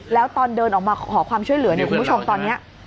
แล้วตอนเดินออกมาขอความช่วยเหลือเนี่ยคุณผู้ชมตอนนี้